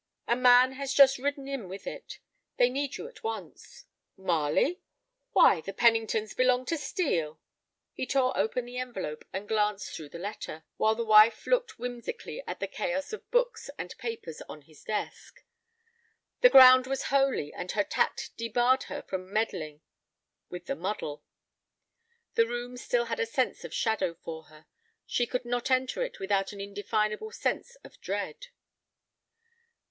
A man has just ridden in with it. They need you at once." "Marley? Why, the Penningtons belong to Steel." He tore open the envelope and glanced through the letter, while his wife looked whimsically at the chaos of books and papers on his desk. The ground was holy, and her tact debarred her from meddling with the muddle. The room still had a sense of shadow for her. She could not enter it without an indefinable sense of dread.